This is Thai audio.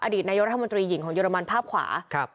อดีตนายกรัฐมนตรีหญิงของเยอรมันภาพขวา